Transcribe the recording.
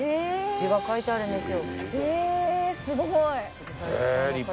字が書いてあるんですよ。